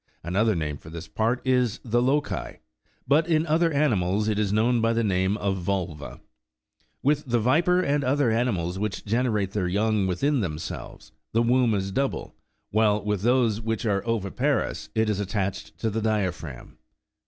Another name for this partis " loci ;"3 but in other animals it is known by the name of " vulva." "With the viper and other animals which generate their young within themselves, the wonib is double ; while with those which are oviparous, it is attached to the diaphragm.